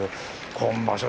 今場所